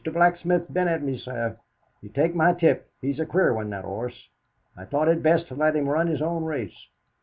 Blacksmith's been at me, sir. You take my tip: he's a queer one, that 'orse. I thought it best to let him run his own race.